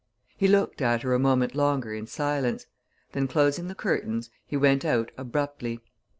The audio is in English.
He looked at her a moment longer in silence; then, closing the curtains, he went out abruptly.